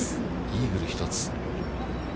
イーグル１つ。